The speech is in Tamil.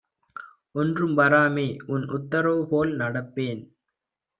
ஒன்றும் வராமேஉன் உத்தரவு போல்நடப்பேன்!